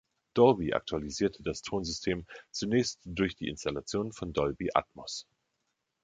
Dolby aktualisierte das Tonsystem zunächst durch die Installation von Dolby Atmos.